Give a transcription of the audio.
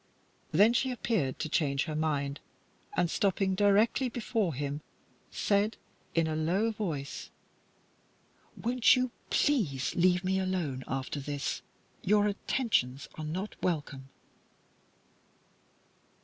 Then she appeared to change her mind, and, stopping directly before him, said, in a low voice "Won't you please leave me alone, after this? Your attentions are not welcome."